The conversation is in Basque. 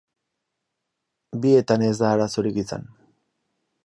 Bietan ez da arazorik izan.